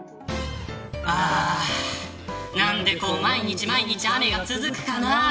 なんで毎日毎日雨が続くかな。